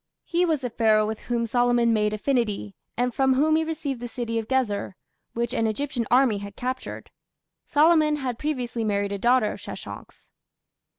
He was the Pharaoh with whom Solomon "made affinity", and from whom he received the city of Gezer, which an Egyptian army had captured. Solomon had previously married a daughter of Sheshonk's.